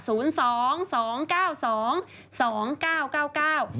ต่อ๓๒๓๔ค่ะ